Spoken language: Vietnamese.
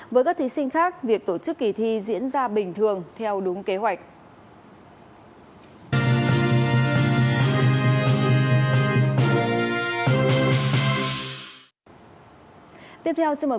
với các thí sinh khác việc tổ chức kỳ thi diễn ra bình thường theo đúng kế hoạch